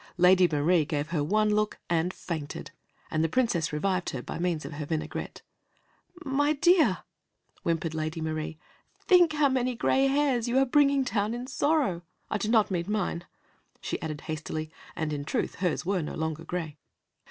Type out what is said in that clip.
Lady Marie gave her one look, and fainted, and the Princess revived her by means of her vinaigrette. "My dear!" whimpered Lady Marie, "think how many gray hairs you are bringing down in sorrow. I do not mean mine," she added hastily; and, in truth, hers were no longer gray.